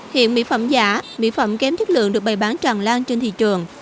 hiện mỹ phẩm giả mỹ phẩm kém chất lượng được bày bán tràn lan trên thị trường